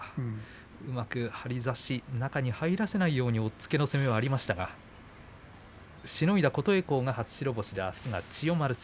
うまく張り差しで中に入らせないように押っつけの攻めもありましたがしのいだ琴恵光初白星で、あすが千代丸戦。